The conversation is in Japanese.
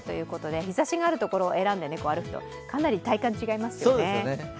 日ざしがあるところを選んで歩くとかなり体感、違いますよね。